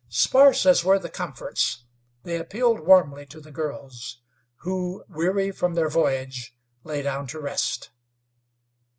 Sparse as were the comforts, they appealed warmly to the girls, who, weary from their voyage, lay down to rest.